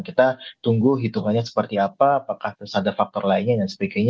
kita tunggu hitungannya seperti apa apakah terus ada faktor lainnya dan sebagainya